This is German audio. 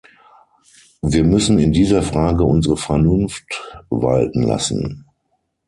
Wir müssen in dieser Frage unsere Vernunft walten lassen.